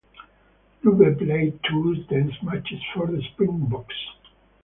Lubbe played two test matches for the Springboks.